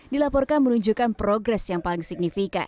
dilaporkan menunjukkan progres yang paling signifikan